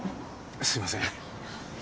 すいません。